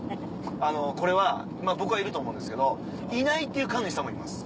あのこれは僕はいると思うんですけどいないって言う神主さんもいます。